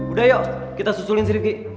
udah yuk kita susulin si rifki